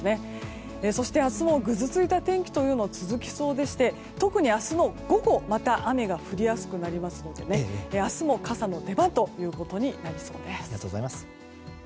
そして明日もぐずついた天気は続きそうでして特に明日の午後また雨が降りやすくなりますので明日も傘の出番となりそうです。